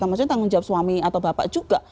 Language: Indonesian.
maksudnya tanggung jawab suami atau bapak juga